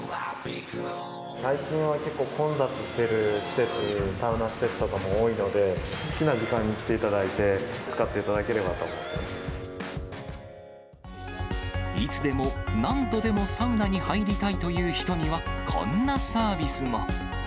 最近は結構、混雑してる施設、サウナ施設とかも多いので、好きな時間に来ていただいて、いつでも、何度でもサウナに入りたいという人には、こんなサービスも。